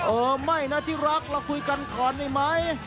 เออไม่นะที่รักเราคุยกันก่อนได้ไหม